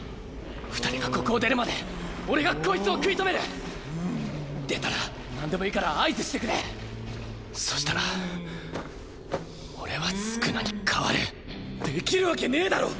二人がここを出るまで俺がこいつを出たらなんでもいいから合図してくれそしたら俺は宿儺に代わるできるわけねぇだろ